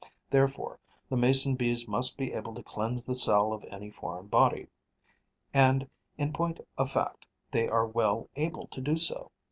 Therefore the Mason bees must be able to cleanse the cell of any foreign body. And, in point of fact, they are well able to do so.